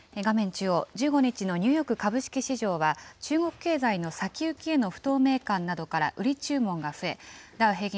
中央、１５日のニューヨーク株式市場は、中国経済の先行きへの不透明感などから売り注文が増え、ダウ平均